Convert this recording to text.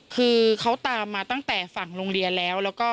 คือเขาตามมาตั้งแต่ฝั่งโรงเรียนแล้ว